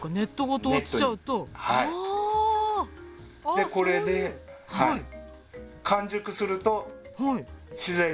でこれで完熟すると自然に落ちます。